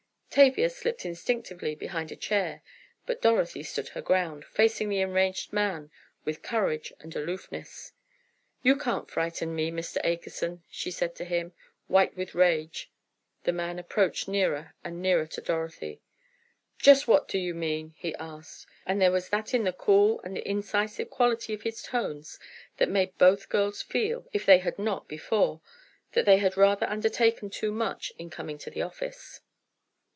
Tavia slipped instinctively behind a chair, but Dorothy stood her ground, facing the enraged man with courage and aloofness. "You can't frighten me, Mr. Akerson," she said to him. White with rage the man approached nearer and nearer to Dorothy. "Just what do you mean?" he asked, and there was that in the cool, and incisive quality of his tones that made both girls feel, if they had not before, that they had rather undertaken too much in coming to the office.